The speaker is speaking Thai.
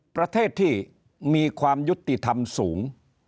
ประเทศที่มีความยุติธรรมสูง